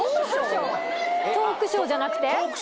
トークショーじゃなくて？